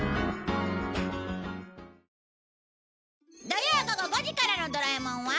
土曜午後５時からの『ドラえもん』は